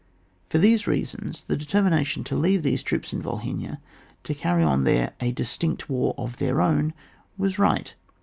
For these reasons, the determi nation to leave these troops in Yolhynia to carry on there a distinct war of their own, was right.